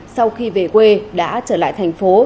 sau khi về quê đã trở lại thành phố